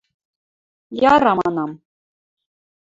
– Яра, – манам.